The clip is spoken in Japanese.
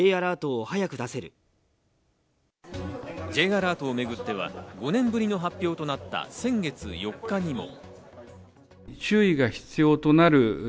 Ｊアラートをめぐっては、５年ぶりの発表となった先月４日にも。